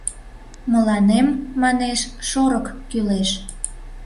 Мыланем, манеш, шорык кӱлеш...